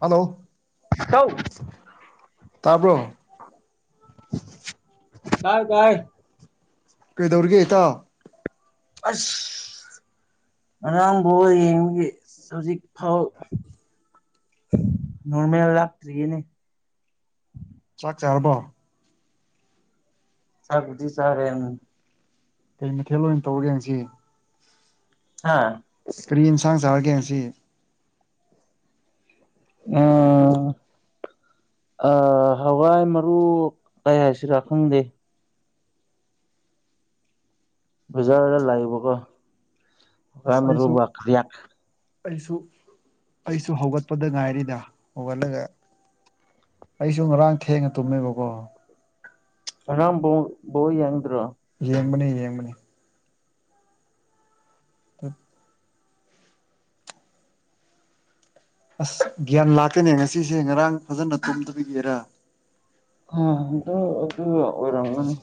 hello ꯇꯧ ꯇꯥꯕ꯭ꯔꯣ ꯇꯥꯏ ꯇꯥꯏꯌꯦ ꯀꯩꯗꯧꯔꯤꯒꯦ ꯏꯇꯥꯎ ꯑꯁ ꯉꯔꯥꯡ ꯕꯣꯜ ꯌꯦꯡꯕꯒꯤ ꯍꯧꯖꯤꯛ ꯐꯥꯎ ꯅꯔꯃꯦꯜ ꯂꯥꯛꯇ꯭ꯔꯤꯌꯦꯅꯦ ꯆꯥꯛ ꯆꯥꯔꯕꯣ ꯆꯕꯗꯤ ꯆꯥꯔꯦꯅꯦ ꯀꯔꯤ ꯃꯊꯦꯜ ꯑꯣꯏꯅ ꯇꯧꯔꯒꯦ ꯉꯁꯤ ꯍꯥꯥ ꯀꯔꯤ ꯏꯟꯁꯥꯡ ꯆꯥꯔꯒꯦ ꯉꯁꯤ ꯑꯝ ꯑ ꯍꯋꯥꯏ ꯃꯔꯨ ꯀꯩ ꯍꯥꯏꯁꯤꯔꯥ ꯈꯪꯗꯦ ꯕꯖꯥꯔꯗ ꯂꯩꯕꯀꯣ ꯑꯁ ꯈꯨꯋꯥꯏ ꯑꯩꯁꯨ ꯃꯔꯨꯕ ꯀꯔꯤ ꯍꯥꯞꯁ ꯑꯩꯁꯨ ꯑꯩꯁꯨ ꯍꯧꯒꯠꯄꯗ ꯉꯥꯏꯔꯤ ꯌꯥ ꯍꯧꯒꯠꯂꯒ ꯑꯩꯁꯨ ꯉꯔꯥꯡ ꯊꯦꯡꯅ ꯇꯨꯝꯃꯦꯕꯀꯣ ꯉꯔꯥꯡ ꯄꯨꯡ ꯕꯣꯜ ꯌꯦꯡꯗ꯭ꯔꯣ ꯌꯦꯡꯕꯅꯤ ꯌꯦꯡꯕꯅꯤ ꯍ ꯑꯁ ꯒ꯭ꯌꯥꯟ ꯂꯥꯛꯇꯦꯅꯦ ꯉꯁꯤꯁꯦ ꯉꯔꯥꯡ ꯐꯖꯅ ꯇꯨꯝꯗꯕꯒꯤꯔꯥ ꯑꯝ ꯑꯗꯨ ꯑꯗꯨꯅ ꯑꯣꯏꯔꯝꯒꯅꯤ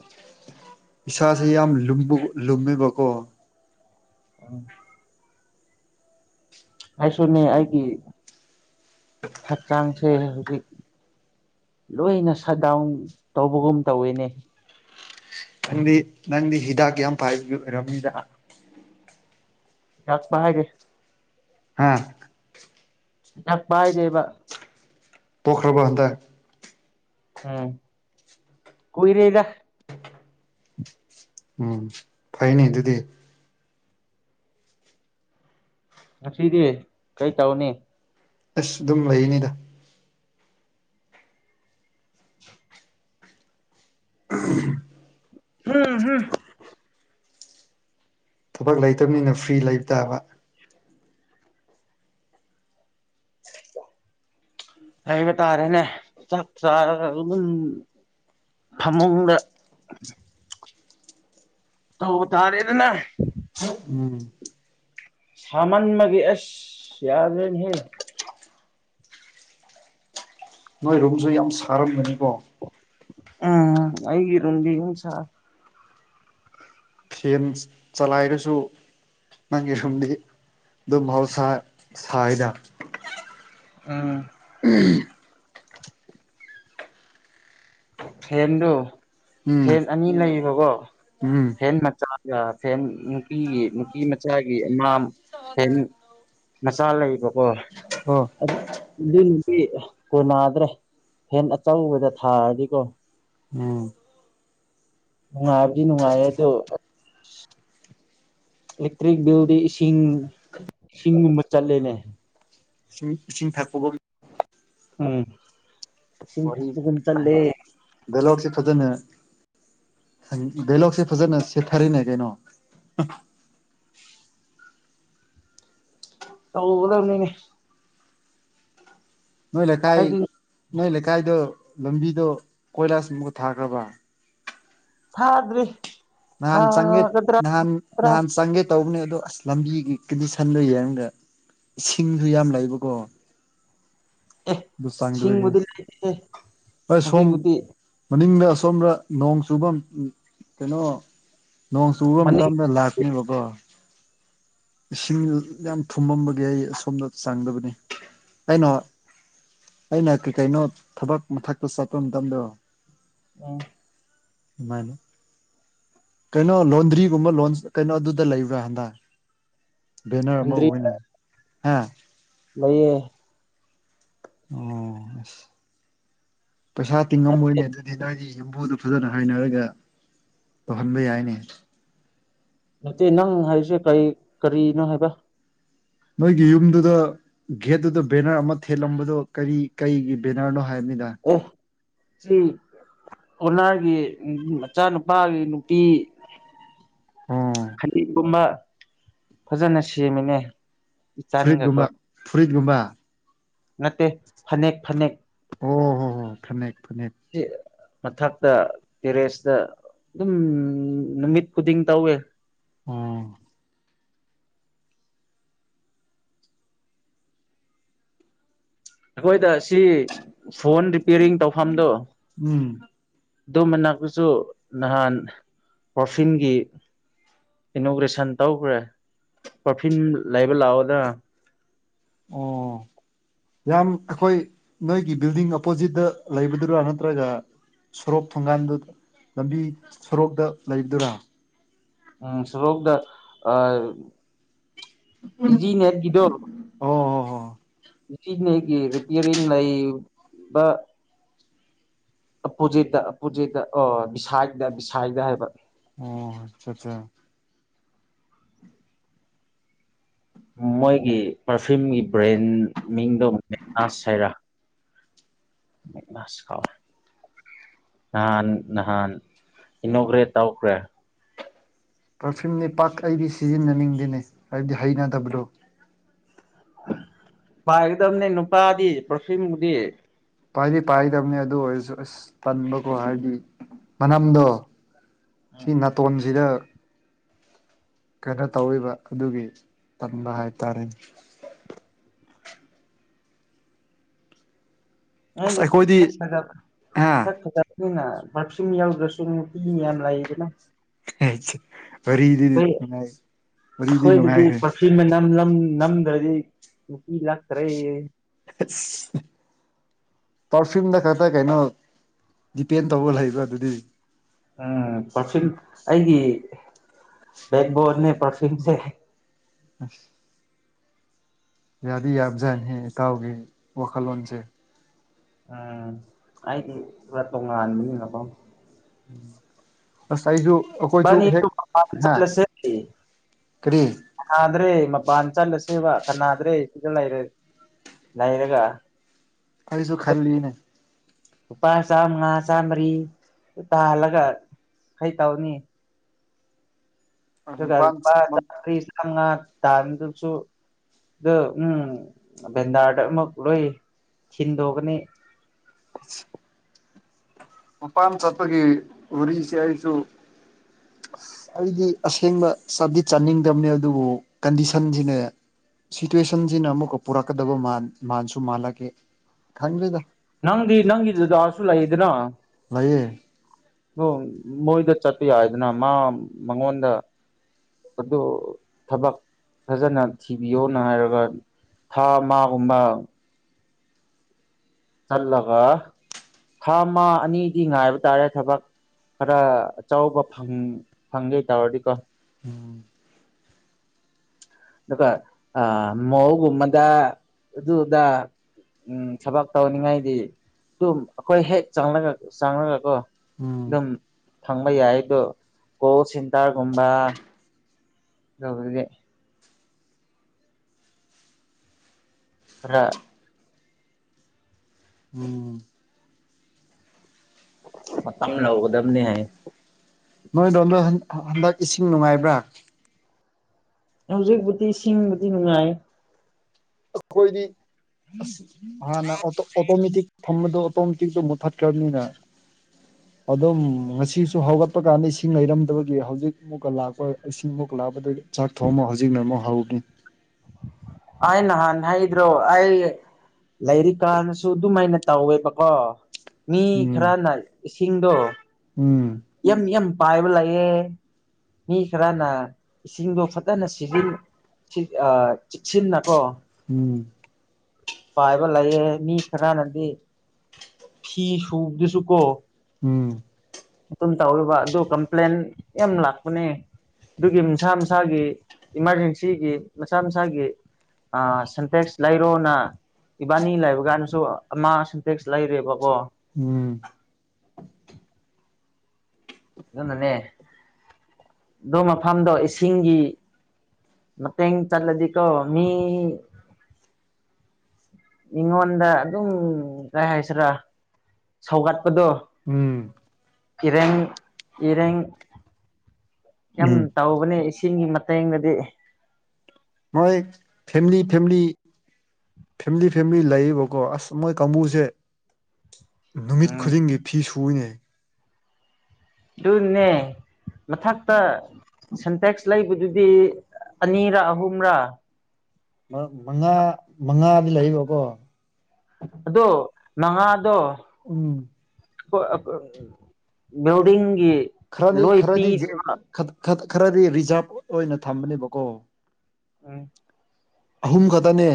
ꯏꯁꯥꯥꯁꯦ ꯌꯥꯝ ꯂꯨꯝꯕꯒꯨ ꯂꯨꯝꯃꯦꯕꯀꯣ [inaudible] ꯑꯩꯁꯨꯅꯦ ꯑꯩꯒꯤ ꯍꯛꯆꯥꯡ ꯑꯝ ꯍꯨꯖꯤꯛ ꯂꯣꯏꯅ ꯁꯠ ꯗꯥꯎꯟ ꯇꯧꯕꯒꯨꯝ ꯇꯧꯋꯤꯅꯦ ꯅꯪꯗꯤ ꯅꯪꯗꯤ ꯍꯤꯗꯥꯛ ꯌꯥꯝ ꯄꯥꯏꯕꯩ ꯑꯣꯏꯔꯝꯅꯤꯗ ꯌꯥꯥꯛ ꯄꯥꯏꯔꯦ ꯑꯥ ꯌꯥꯝ ꯄꯥꯏꯗꯦꯕ ꯄꯣꯈ꯭ꯔꯕ ꯍꯟꯗꯛ ꯎꯝ ꯀꯨꯏꯔꯦꯗ ꯎꯝ ꯐꯩꯅꯦ ꯑꯗꯨꯗꯤ ꯉꯁꯤꯗꯤ ꯀꯩ ꯇꯧꯅꯤ ꯑꯁ ꯑꯗꯨꯝ ꯂꯩꯅꯤꯗ ꯑꯍꯝ ꯑꯝ ꯑꯝ ꯊꯕꯛ ꯂꯩꯇꯕꯅꯤꯅ ꯐ꯭ꯔꯤ ꯂꯩꯕ ꯇꯥꯕ [inaudible] ꯍꯥꯏꯕ ꯇꯥꯔꯦꯅꯦ ꯆꯥꯛ ꯆꯥꯔꯒ ꯑꯗꯨꯝ ꯐꯥꯃꯨꯡꯗ ꯇꯧꯕ ꯇꯥꯔꯦꯗꯅ ꯎꯝ ꯁꯃꯥꯟ ꯕꯒꯤ ꯑꯁ ꯌꯥꯗ꯭ꯔꯦꯅꯦꯍꯦ ꯅꯣꯏ ꯔꯨꯝꯁꯨ ꯌꯥꯝ ꯁꯥꯔꯝꯒꯅꯤꯀꯣ ꯎꯝ ꯑꯩ ꯒꯤꯔꯨꯝꯗꯤ ꯅꯨꯡ ꯁꯥ ꯐꯦꯟ ꯆꯂꯥꯏꯔꯁꯨ ꯅꯪꯒꯤ ꯔꯨꯝꯗꯤ ꯑꯗꯨꯝ ꯃꯍꯥꯎꯁꯥ ꯁꯥꯏꯗ ꯎꯝ ꯎꯝ ꯐꯦꯟꯗꯨ ꯎꯝ ꯐꯦꯟ ꯑꯅꯤ ꯂꯩꯌꯦꯕꯀꯣ ꯎꯝ ꯐꯦꯟ ꯃꯆꯥ ꯒ ꯐꯦꯟ ꯅꯨꯄꯤꯒꯤ ꯅꯨꯄꯤ ꯃꯆꯥꯒꯤ ꯑꯃꯥ ꯐꯦꯟ ꯃꯆꯥ ꯂꯩꯌꯦꯕꯀꯣ ꯑꯣ ꯑꯗꯨ ꯅꯗꯤ ꯀꯣꯟꯅꯗ꯭ꯔꯦ ꯐꯦꯟ ꯑꯆꯧꯕꯗ ꯊꯥꯔꯗꯤꯀꯣ ꯎꯝ ꯅꯨꯡꯉꯥꯏꯕꯗꯤ ꯅꯨꯡꯉꯥꯏꯌꯦ ꯑꯗꯨ ꯏꯂꯦꯛꯇ꯭ꯔꯤꯛ ꯕꯤꯜꯗꯤ ꯏꯁꯤꯡ ꯂꯤꯁꯤꯡꯒꯨꯝꯕ ꯆꯠꯂꯦꯅꯦ ꯎ ꯏꯁꯤꯡ ꯊꯛꯄꯒꯨꯝ ꯎꯝ ꯏꯁꯤꯡ ꯋꯥꯔꯤ ꯊꯛꯄꯒꯨꯝ ꯆꯠꯂꯦ ꯗꯥꯏꯂꯣꯛꯁꯦ ꯐꯖꯅ ꯍꯪ ꯏ ꯗꯥꯏꯂꯣꯛꯁꯦ ꯐꯖꯅ ꯁꯦꯠꯊꯔꯦꯅꯦ ꯀꯩꯅꯣ ꯇꯧꯒꯗꯕꯅꯤꯅꯦ ꯅꯣꯏ ꯂꯩꯀꯥꯏ ꯍꯥꯏꯗꯤ ꯅꯣꯏ ꯂꯩꯀꯥꯏꯗꯣ ꯂꯝꯕꯤꯗꯣ ꯀꯣꯏꯂꯥꯁ ꯑꯃꯨꯒ ꯊꯥꯒ꯭ꯔꯕ ꯊꯥꯗ꯭ꯔꯤ ꯅꯍꯥꯟ ꯆꯪꯒꯦ ꯊꯥꯒꯗ꯭ꯔꯥ ꯅꯍꯥꯟ ꯒꯗ꯭ꯔꯥ ꯅꯍꯥꯟ ꯆꯪꯒꯦ ꯇꯧꯕꯅꯦ ꯑꯗꯣ ꯑꯁ ꯂꯝꯕꯤꯒꯤ ꯀꯟꯗꯤꯁꯟꯗꯣ ꯌꯦꯡꯉꯒ ꯏꯁꯤꯡꯗꯤ ꯌꯥꯝ ꯂꯩꯕꯀꯣ ꯑꯦ ꯂꯨ ꯆꯪꯒ꯭ꯔꯦꯅꯦ ꯁꯤꯡꯕꯨꯗꯤ ꯂꯩꯇꯦ ꯑ ꯁꯣꯝ ꯍꯧꯖꯤꯛꯕꯨꯗꯤ ꯃꯅꯤꯡꯗ ꯁꯣꯝꯔ ꯅꯣꯡ ꯆꯨꯐꯝ ꯀꯩꯅꯣ ꯅꯣꯡ ꯆꯨꯕ ꯃꯅꯤꯡ ꯃꯇꯝꯗ ꯂꯥꯛꯅꯦꯕꯀꯣ ꯏꯁꯤꯡ ꯌꯥꯝ ꯊꯨꯝꯃꯝꯕꯒꯤ ꯑꯩ ꯑꯁꯣꯝꯗ ꯆꯪꯗꯕꯅꯤ ꯑꯩꯅ ꯑꯩꯅ ꯀꯩ ꯀꯩꯅꯣ ꯊꯕꯛ ꯃꯊꯛꯇ ꯆꯠꯄ ꯃꯇꯝꯗꯣ ꯑꯝ ꯃꯥꯅꯦ ꯀꯩꯅꯣ ꯂꯣꯟꯗ꯭ꯔꯤꯒꯨꯝꯕ ꯂꯣꯟꯁ ꯀꯩꯅꯣ ꯑꯗꯨꯗ ꯂꯩꯕ꯭ꯔꯥ ꯑꯗꯥ ꯕꯦꯅꯔ ꯑꯃ ꯍꯨꯟꯗ꯭ꯔꯤ ꯑꯣꯏꯌꯦꯅꯦ ꯍꯥ ꯂꯩꯌꯦ ꯑꯝ ꯄꯩꯁꯥ ꯅꯠꯇꯦ ꯇꯤꯡꯉꯝꯃꯣꯏꯅꯦ ꯑꯗꯨꯗꯤ ꯅꯣꯏꯗꯤ ꯌꯨꯝꯕꯨꯗꯣ ꯐꯖꯅ ꯍꯥꯏꯅꯔꯒ ꯇꯧꯍꯟꯕ ꯌꯥꯏꯅꯦ ꯅꯠꯇꯦ ꯅꯪ ꯍꯥꯏꯁꯦ ꯀꯔꯤ ꯀꯔꯤꯅꯣ ꯍꯥꯏꯕ ꯅꯣꯏꯒꯤ ꯌꯨꯝꯗꯨꯗ ꯒꯦꯠꯇꯨꯗ ꯕꯦꯅꯔ ꯑꯃ ꯊꯦꯠꯂꯝꯕꯗꯣ ꯀꯔꯤ ꯀꯩꯒꯤ ꯕꯦꯅꯔꯅꯣ ꯍꯥꯏꯕꯅꯤꯗ ꯑꯦ ꯁꯤ ꯑꯣꯅꯔꯒꯤ ꯃꯆꯥꯅꯨꯄꯥꯒꯤ ꯅꯨꯄꯤ ꯑꯣ ꯈꯖꯤꯡꯒꯨꯝꯕ ꯐꯖꯅ ꯁꯦꯝꯃꯤꯅꯦ ꯏꯆꯥꯟꯒꯀꯣ ꯑꯗꯨꯒꯨꯝꯕ ꯅꯠꯇꯦ ꯐꯅꯦꯛ ꯐꯅꯦꯛ ꯑꯣ ꯍꯣ ꯍꯣ ꯐꯅꯦꯛ ꯐꯅꯦꯛ ꯁꯤ ꯃꯊꯛꯇ ꯇꯦꯔꯦꯁꯇ ꯑꯗꯨꯝ ꯅꯨꯃꯤꯠ ꯈꯨꯗꯤꯡ ꯇꯧꯋꯦ ꯎꯝ ꯑꯈꯣꯏꯗ ꯁꯤ ꯐꯣꯟ ꯔꯤꯄꯤꯌꯥꯔꯤꯡ ꯇꯧꯐꯝꯗꯣ ꯎꯝ ꯑꯗꯨ ꯃꯅꯥꯛꯇꯁꯨ ꯅꯍꯥꯟ ꯄꯔꯐꯤꯌꯨꯝꯒꯤ ꯏꯅꯣꯒ꯭ꯔꯦꯁꯟ ꯇꯧꯈ꯭ꯔꯦ ꯄꯔꯐ꯭ꯤꯌꯨꯝ ꯂꯩꯕ ꯂꯥꯛꯑꯣꯗꯅ ꯑꯣ ꯌꯥꯝ ꯑꯈꯣꯏ ꯅꯣꯏꯒꯤ ꯕꯤꯜꯗꯤꯡ ꯑꯣꯄꯣꯖꯤꯠꯇ ꯂꯩꯕꯗꯨꯔꯥ ꯅꯠꯇ꯭ꯔꯒ ꯁꯣꯔꯣꯛ ꯊꯣꯡꯒꯜꯗꯨ ꯂꯝꯕꯤ ꯁꯣꯔꯣꯛꯇ ꯂꯩꯕꯗꯨꯔ ꯎꯝ ꯁ꯭ꯔꯣꯛꯗ ꯑꯥ ꯏꯖꯤ ꯅꯦꯠ ꯒꯤꯗꯣ ꯑꯣ ꯍꯣ ꯍꯣ ꯔꯤꯄꯤꯌꯔꯤꯡ ꯂꯩ ꯕ ꯑꯄꯣꯖꯤꯠꯇ ꯑꯄꯣꯖꯤꯠꯇ ꯑꯣ ꯕꯤꯁꯥꯏꯗ ꯕꯤꯁꯥꯏꯗ ꯍꯥꯏꯕ ꯑꯣ ꯑꯆꯥ ꯑꯆꯥ ꯃꯣꯏꯒꯤ ꯄꯥꯔꯐꯤꯌꯨꯝꯒꯤ ꯕ꯭ꯔꯦꯟ ꯃꯤꯡꯗꯣ ꯃꯦꯅꯥꯁ ꯍꯩꯔꯥ ꯥꯃꯤꯠꯃꯁ ꯀꯧꯋꯦ ꯅꯍꯥꯟ ꯅꯍꯥꯟ ꯏꯅꯣꯛꯈ꯭ꯔꯦꯠ ꯇꯥꯎꯈ꯭ꯔꯦ ꯄꯔꯐ꯭ꯌꯨꯝꯅꯤ ꯄꯥꯛ ꯑꯩꯗꯤ ꯁꯤꯖꯤꯟꯅꯅꯤꯡꯗꯦꯅꯦ ꯍꯥꯏꯕꯗꯤ ꯍꯩꯅꯗꯕꯗꯣ ꯄꯥꯏꯒꯗꯝꯕꯅꯦ ꯅꯨꯄꯥꯗꯤ ꯄꯔꯐ꯭ꯤꯝꯗꯤ ꯄꯥꯏꯗꯤ ꯄꯥꯏꯗꯕꯅꯤ ꯑꯗꯨ ꯑꯣꯏꯔꯁꯨ ꯑꯁ ꯇꯟꯕꯀꯣ ꯍꯥꯏꯗꯤ ꯃꯅꯝꯗꯣ ꯁꯤ ꯅꯇꯣꯟꯁꯤꯗ ꯀꯩꯅꯣ ꯇꯧꯋꯦꯕ ꯑꯗꯨꯒꯤ ꯇꯟꯕ ꯍꯥꯏꯇꯥꯔꯦꯅꯦ ꯑꯁ ꯅꯪꯗꯤ ꯑꯩꯈꯣꯏꯗꯤ ꯁꯛ ꯐꯖ ꯍꯥ ꯁꯛ ꯐꯖ ꯗꯨꯅ ꯄꯔꯐꯤꯌꯨꯝ ꯌꯥꯎꯗ꯭ꯔꯁꯨ ꯅꯨꯄꯤ ꯌꯥꯝ ꯂꯩꯗꯅ [unintelligible] ꯑꯈꯣꯏ ꯅꯨꯡꯉꯥꯏ ꯋꯥꯔꯤꯗꯤ ꯑꯈꯣꯏꯗꯗꯤ ꯅꯨꯡꯉꯥꯏꯈ꯭ꯔꯦ ꯄꯔꯐꯤꯌꯨꯝ ꯃꯅꯝ ꯂꯝ ꯅꯝꯗ꯭ꯔꯗꯤ ꯅꯨꯄꯤ ꯂꯥꯛꯇꯔꯦ ꯑꯁ ꯄꯥꯔꯐꯤꯌꯨꯝꯗ ꯈꯛꯇ ꯀꯩꯅꯣ ꯗꯤꯄꯦꯟ ꯇꯧꯕ ꯂꯩꯕ ꯑꯗꯨꯗꯤ ꯎꯝ ꯄꯔꯐꯤꯌꯨꯝ ꯑꯩꯒꯤ ꯕꯦꯛꯕꯣꯟꯅꯦ ꯄꯔꯐꯤꯌꯨꯝꯁꯦ ꯑꯁ ꯌꯥꯗꯤ ꯌꯥꯕꯖꯥꯠꯅꯤꯍꯦ ꯏꯇꯥꯎꯒꯤ ꯋꯥꯈꯜꯂꯣꯟꯁꯦ ꯎꯝ ꯑꯩꯗꯤ ꯈꯔ ꯇꯣꯡꯉꯥꯟꯕꯅꯤꯅꯀꯣ ꯑꯁ ꯑꯩꯁꯨ ꯑꯩꯈꯣꯏꯁꯨ ꯕꯅꯤ ꯇꯨ ꯍꯦꯛ ꯀꯥꯟ ꯍꯥ ꯆꯠꯂꯁꯦ ꯀꯔꯤ ꯌꯥꯗ꯭ꯔꯦ ꯃꯄꯥꯟ ꯆꯠꯂꯁꯤ ꯁꯤꯕ ꯀꯅꯥꯗ꯭ꯔꯦ ꯁꯤꯗ ꯂꯩꯔꯗꯤ ꯂꯩꯔꯒ ꯑꯩꯁꯨ ꯈꯥꯂꯤꯅꯤ ꯂꯨꯄꯥ ꯆꯥꯃꯉꯥ ꯆꯥꯝꯃꯔꯤ ꯇꯥꯜꯂꯒ ꯀꯩ ꯇꯧꯅꯤ ꯑꯗꯨꯒ ꯃꯄꯥꯟ ꯂꯨꯄꯥ ꯆꯃ꯭ꯔꯤ ꯆꯃꯉꯥ ꯇꯥꯟꯒꯗꯕꯁꯨ ꯑꯗꯣ ꯎꯝ ꯚꯦꯟꯗꯥꯔꯗ ꯑꯃꯨꯛ ꯂꯣꯏ ꯊꯤꯟꯗꯣꯛꯀꯅꯤ ꯁ ꯃꯄꯥꯟ ꯆꯠꯄꯒꯤ ꯎꯔꯤꯁꯦ ꯑꯩꯁꯨ ꯑꯩꯗꯤ ꯑꯁꯦꯡꯕ ꯆꯠꯗꯤ ꯆꯠꯅꯤꯡꯗꯕꯅꯦ ꯑꯗꯨꯕꯨ ꯀꯟꯗꯤꯁꯟꯁꯤꯅꯦ ꯁꯤꯆ꯭ꯋꯦꯁꯟꯁꯤꯅ ꯑꯃꯨꯛꯀ ꯄꯨꯔꯛꯀꯗꯕ ꯃꯥꯟ ꯃꯥꯟꯁꯨ ꯃꯥꯜꯂꯒꯦ ꯈꯪꯗ꯭ꯔꯦꯗ ꯅꯪꯗꯤ ꯅꯪꯒꯤ ꯗꯗꯥꯁꯨ ꯂꯩꯗꯅ ꯂꯩꯌꯦ ꯃꯣꯏꯗ ꯆꯠꯄ ꯌꯥꯏꯗꯅ ꯃꯥ ꯃꯉꯣꯟꯗ ꯑꯗꯨ ꯊꯕꯛ ꯐꯖꯅ ꯊꯤꯕꯤꯌꯣꯅ ꯍꯥꯏꯔꯒ ꯊꯥ ꯑꯃꯒꯨꯝꯕ ꯆꯠꯂꯒ ꯊꯥ ꯑꯃ ꯑꯅꯤꯗꯤ ꯉꯥꯏꯕ ꯇꯥꯔꯦ ꯊꯕꯛ ꯈꯔ ꯑꯆꯧꯕ ꯐꯪꯒꯦ ꯇꯧꯔꯗꯤꯀꯣ ꯎꯝ ꯑꯗꯨꯒ ꯃꯧꯒꯨꯝꯕꯗ ꯑꯗꯨꯗ ꯎꯝ ꯊꯕꯛ ꯇꯧꯅꯤꯡꯉꯥꯏꯗꯤ ꯑꯗꯨꯝ ꯑꯈꯣꯏ ꯍꯦꯛ ꯆꯪꯂꯒ ꯆꯥꯡꯉꯒ ꯀꯣ ꯑꯗꯨꯝ ꯎꯝ ꯐꯪꯕ ꯌꯥꯏ ꯑꯗꯣ ꯀꯣꯜ ꯁꯦꯟꯇꯔꯒꯨꯝꯕ ꯑꯗꯨꯕꯨꯗꯤ ꯈꯥꯔ ꯃꯇꯝ ꯂꯧꯒꯗꯝꯅꯤ ꯍꯥꯏ ꯅꯣꯏꯗꯣꯝꯗ ꯍꯟꯗꯛ ꯏꯁꯤꯡ ꯅꯨꯡꯉꯥꯏꯕ꯭ꯔꯥ ꯍꯧꯖꯤꯛꯄꯨꯗꯤ ꯁꯤꯡꯕꯨꯗꯤ ꯅꯨꯡꯉꯥꯏ ꯑꯈꯣꯏꯗꯤ ꯍꯥꯟꯅ ꯑꯣꯇꯣꯃꯦꯇꯤꯛ ꯊꯝꯕꯗꯣ ꯑꯣꯇꯣ ꯃꯇꯤꯛꯇ ꯃꯨꯊꯥꯠꯈ꯭ꯔꯕꯅꯤꯅ ꯑꯗꯨꯝ ꯉꯁꯤꯁꯨ ꯍꯧꯒꯠꯄ ꯀꯥꯟꯗ ꯏꯁꯤꯡ ꯂꯩꯔꯝꯗꯕꯒꯤ ꯍꯧꯖꯤꯛ ꯃꯨꯛꯀ ꯂꯥꯛꯄ ꯏꯁꯤꯡꯃꯨꯛ ꯂꯥꯛꯄꯗꯒꯤ ꯆꯥꯛ ꯊꯣꯡꯉꯃꯣ ꯍꯧꯖꯤꯛꯅ ꯑꯃꯨꯛ ꯍꯧꯔꯅꯤ ꯑꯩ ꯅꯍꯥꯟ ꯍꯥꯏ ꯍꯥꯏꯗ꯭ꯔꯣ ꯑꯩ ꯂꯩꯔꯤꯛꯀꯥꯟꯗꯁꯨ ꯑꯗꯨ ꯃꯥꯏꯅ ꯇꯧꯋꯦꯕꯀꯣ ꯃꯤ ꯎꯝ ꯈꯔꯅ ꯏꯁꯤꯡꯗꯣ ꯎꯝ ꯌꯥꯝ ꯌꯥꯝ ꯄꯥꯏꯕ ꯂꯩꯑꯦ ꯃꯤ ꯈꯔꯅ ꯏꯁꯤꯡꯗꯣ ꯐꯖꯅ ꯁꯤꯖꯤꯟ ꯑꯥ ꯏꯁꯤꯡꯅꯀꯣ ꯎꯝ ꯄꯥꯏꯕ ꯂꯩꯑꯦ ꯃꯤ ꯈꯔꯅꯗꯤ ꯐꯤ ꯁꯨꯕꯗꯨꯁꯨ ꯀꯣ ꯎꯝ ꯑꯗꯨꯝ ꯇꯧꯔꯤꯕ ꯑꯗꯨ ꯀꯝꯄ꯭ꯂꯦꯟ ꯌꯥꯝ ꯂꯥꯛꯄꯅꯦ ꯑꯗꯨꯒꯤ ꯃꯁꯥ ꯃꯁꯥꯒꯤ ꯏꯃꯥꯔꯖꯦꯟꯁꯤꯒꯤ ꯃꯁꯥ ꯃꯁꯥꯒꯤ ꯑꯥ ꯁꯦꯟꯇꯦꯛꯁ ꯂꯩꯔꯣꯅ ꯏꯕꯥꯅꯤ ꯂꯩꯕ ꯀꯥꯟꯗꯁꯨ ꯑꯃ ꯁꯟꯇꯦꯛꯁ ꯂꯩꯔꯦꯕ ꯎꯝ ꯑꯗꯨꯅꯅꯦ ꯑꯗꯨ ꯃꯐꯝꯗꯣ ꯏꯁꯤꯡꯒꯤ ꯃꯇꯦꯡ ꯆꯠꯂꯗꯤꯀꯣ ꯃꯤ ꯃꯤꯉꯣꯟꯗ ꯑꯗꯨꯝ ꯀꯩ ꯍꯥꯏꯁꯤꯔꯥ ꯁꯧꯒꯠꯄꯗꯣ ꯎꯝ ꯏꯔꯦꯡ ꯏꯔꯦꯡ ꯌꯥꯝ ꯎꯝ ꯇꯧꯕꯅꯦ ꯏꯁꯤꯡꯒꯤ ꯃꯇꯦꯡꯗꯗꯤ ꯃꯣꯏ ꯐꯦꯃꯤꯂꯤ ꯐꯦꯃꯤꯂꯤ ꯐꯦꯃꯤꯂꯤ ꯐꯦꯃꯤꯂꯤ ꯂꯩꯌꯦꯕꯀꯣ ꯑꯁ ꯃꯣꯏ ꯀꯥꯡꯕꯨꯁꯦ ꯅꯨꯃꯤꯠ ꯎꯝ ꯈꯨꯗꯤꯡꯒꯤ ꯐꯤ ꯁꯨꯑꯦꯅꯦ ꯗꯨꯅꯦ ꯃꯊꯛꯇ ꯁꯦꯟꯇꯦꯛꯁ ꯂꯩꯕꯗꯨꯗꯤ ꯑꯅꯤꯔ ꯑꯍꯨꯝꯔ ꯃꯉꯥ ꯃꯉꯥꯗꯤ ꯂꯩꯕꯀꯣ ꯑꯗꯣ ꯃꯉꯥꯗꯣ ꯎꯝ ꯑꯈꯣꯏ ꯕꯤꯜꯗꯤꯡꯒꯤ ꯈꯔꯗꯤ ꯂꯣꯏ ꯈꯔꯗꯤ ꯄꯤ ꯈꯔꯗꯤ ꯔꯤꯖꯥꯚ ꯑꯣꯏꯅ ꯊꯝꯕꯅꯦꯕꯀꯣ ꯎꯝ ꯑꯍꯨꯝ ꯈꯛꯇꯅꯦ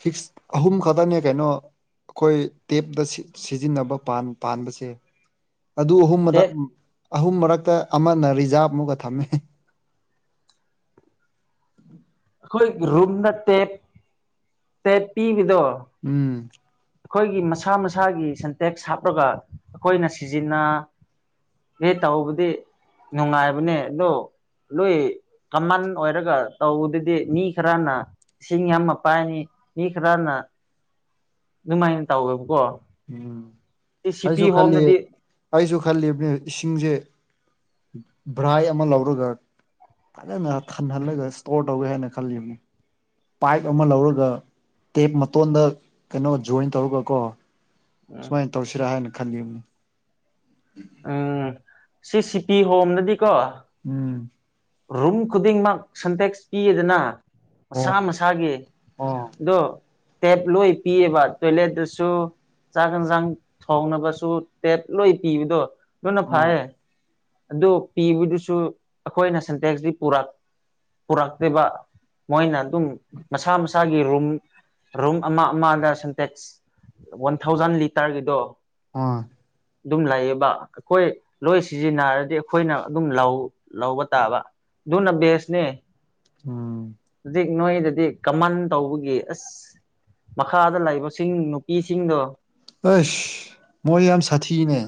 ꯐꯤꯛꯁ ꯑꯍꯨꯝ ꯈꯛꯇꯅꯦ ꯀꯩꯅꯣ ꯑꯈꯣꯏ ꯇꯦꯞꯇ ꯁꯤꯖꯤꯟꯅꯕ ꯄꯥꯟꯕꯁꯦ ꯑꯗꯨ ꯑꯍꯨꯝꯃꯛ ꯇꯦꯞ ꯑꯍꯨꯝ ꯃꯔꯛꯇ ꯑꯃꯅ ꯔꯤꯖꯥꯕꯃꯨꯒ ꯊꯝꯃꯦ ꯑꯈꯣꯏ ꯔꯨꯝ ꯅꯠꯇꯦ ꯇꯦꯞ ꯄꯤꯕꯗꯣ ꯎꯝ ꯑꯈꯣꯏꯒꯤ ꯃꯁꯥ ꯃꯁꯥꯒꯤ ꯁꯟꯇꯦꯛꯁ ꯍꯥꯞꯂꯒ ꯑꯈꯣꯏꯅ ꯁꯤꯖꯤꯟꯅ [unintelligible] ꯇꯧꯕꯗꯤ ꯅꯨꯡꯉꯥꯏꯕꯅꯦ ꯑꯗꯣ ꯂꯣꯏꯏ ꯀꯃꯟ ꯑꯣꯏꯔꯒ ꯇꯧꯕꯗꯗꯤ ꯃꯤ ꯈꯔꯅ ꯏꯁꯤꯡ ꯌꯥꯝ ꯄꯥꯏꯅꯤ ꯃꯤꯈꯔꯥꯅ ꯑꯗꯨꯃꯥꯏꯅ ꯇꯧꯋꯦꯕꯀꯣ ꯎꯝ ꯁꯤ ꯑꯩꯁꯨ ꯁꯤꯄꯤ ꯈꯜꯂꯤ ꯍꯣꯝꯅꯗꯤ ꯑꯩꯁꯨ ꯈꯜꯂꯤꯕꯅꯦ ꯏꯁꯤꯡꯁꯦ ꯚ꯭ꯔꯥꯏ ꯑꯃ ꯂꯧꯔꯒ ꯐꯖꯅ ꯊꯟꯍꯜꯂꯒ ꯏꯁꯇꯣꯔ ꯇꯧꯒꯦ ꯍꯥꯏꯅ ꯈꯜꯂꯤꯕꯅꯤ ꯄꯥꯏꯞ ꯑꯃ ꯂꯧꯔꯒ ꯇꯦꯞ ꯃꯇꯣꯟꯗ ꯀꯩꯅꯣ ꯖꯣꯏꯟ ꯇꯧꯔꯒ ꯀꯣ ꯎꯝ ꯁꯨꯃꯥꯏꯅ ꯇꯧꯁꯤꯔꯥ ꯍꯥꯏꯅ ꯈꯜꯂꯤꯕꯅꯤ ꯎꯝ ꯁꯤ ꯁꯤ ꯄꯤ ꯍꯣꯝꯗꯗꯤ ꯎꯝ ꯔꯨꯝ ꯈꯨꯗꯤꯡꯃꯛ ꯁꯟꯇꯦꯛꯁ ꯄꯤꯌꯦꯗꯅ ꯃꯁꯥ ꯑꯣ ꯑꯣ ꯃꯁꯥꯒꯤꯗꯣ ꯇꯦꯞ ꯂꯣꯏ ꯄꯤꯌꯦꯕ ꯇꯣꯏꯂꯦꯠꯇꯁꯨ ꯆꯥꯛ ꯌꯦꯟꯁꯥꯡ ꯊꯣꯡꯅꯕꯁꯨ ꯇꯦꯠ ꯂꯣꯏ ꯄꯤꯕꯗꯣ ꯑꯗꯨꯅ ꯐꯩꯌꯦ ꯑꯗꯨ ꯄꯤꯕꯗꯨꯁꯨ ꯑꯩꯈꯣꯏꯅ ꯁꯤꯟꯇꯦꯛꯇꯤ ꯄꯨꯔꯛ ꯄꯨꯔꯛꯇꯦꯕ ꯃꯣꯏꯅ ꯑꯗꯨꯝ ꯃꯁꯥꯥ ꯃ ꯃꯁꯥꯒꯤ ꯔꯨꯝ ꯔꯨꯝ ꯑꯃ ꯑꯃꯗ ꯁꯦꯟꯇꯦꯛꯁ ꯋꯥꯟ ꯊꯥꯎꯖꯟ ꯂꯤꯇꯔꯒꯤꯗꯣ ꯑꯥ ꯑꯗꯨꯝ ꯂꯩꯌꯦꯕ ꯑꯩꯈꯣꯏ ꯂꯣꯏ ꯁꯤꯖꯤꯟꯅꯔꯗꯤ ꯑꯩꯈꯣꯏꯅ ꯑꯗꯨꯝ ꯂꯧ ꯂꯧꯕ ꯇꯕ ꯑꯗꯨꯅ ꯕꯦꯁꯅꯦ ꯎꯝ ꯍꯧꯖꯤꯛ ꯅꯣꯏꯗꯗꯤ ꯀꯃꯟ ꯇꯧꯕꯒꯤ ꯑꯁ ꯃꯈꯥꯗ ꯂꯩꯕꯁꯤꯡ ꯅꯨꯄꯤꯁꯤꯡꯗꯣ ꯑꯁ ꯃꯣꯏ ꯌꯥꯝ ꯁꯥꯊꯤꯅꯦ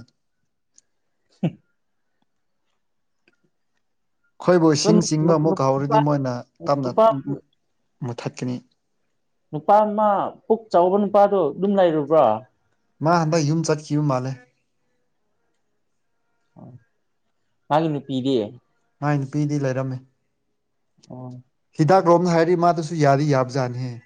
ꯍꯨ ꯑꯈꯣꯏꯕꯨ ꯏꯁꯤꯡ ꯆꯤꯡꯕ ꯑꯃꯨꯛꯀ ꯍꯧꯔꯗꯤ ꯅꯨꯄꯥ ꯃꯣꯏꯅ ꯇꯞꯅ ꯅꯨꯄꯥ ꯃꯨꯊꯠꯀꯅꯤ ꯅꯨꯄꯥ ꯑꯃ ꯄꯨꯛ ꯆꯥꯎꯕ ꯅꯨꯄꯥꯗꯣ ꯌꯨꯝ ꯂꯩꯔꯨꯕ꯭ꯔꯣ ꯃꯥ ꯍꯟꯗꯛ ꯌꯨꯝ ꯆꯠꯈꯤꯕ ꯃꯥꯂꯦ ꯃꯥꯒꯤ ꯅꯨꯄꯤꯗꯤ ꯃꯥꯏ ꯅꯨꯄꯤꯗꯤ ꯂꯩꯔꯝꯅꯤ ꯑꯣ ꯍꯤꯗꯥꯛ ꯂꯣꯝꯗ ꯍꯥꯏꯔꯤ ꯃꯥꯗꯨꯁꯨ ꯌꯥꯔꯤ ꯌꯥꯕꯖꯥꯠꯅꯦꯍꯦ